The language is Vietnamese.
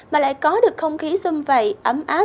mà lại có được không khí xâm vầy ấm áp bình thường